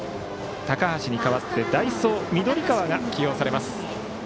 高橋に代わって代走、緑川が起用されます。